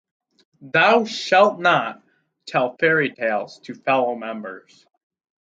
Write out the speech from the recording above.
Thou shalt not tell fairy tales to fellow members.